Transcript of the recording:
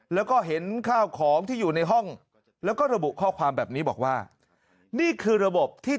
แล้วก็เห็นข้าวของที่อยู่ในห้องแล้วก็ระบุข้อความแบบนี้บอกว่านี่คือระบบที่